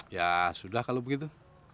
ya sudah kalo begitu